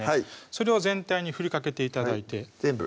それを全体に振りかけて頂いて全部？